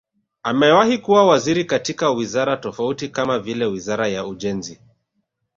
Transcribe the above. Amewahi kuwa waziri katika wizara tofauti kama vile Wizara ya Ujenzi